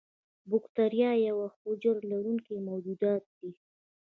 بکتیریا یوه حجره لرونکي موجودات دي.